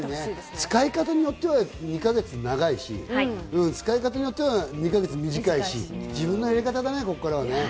使い方によっては２か月長いし、使い方によっては２か月短いし、自分のやり方だね。